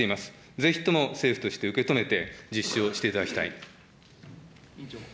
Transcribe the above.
ぜひとも政府として受け止めて、実施をしていただきたい。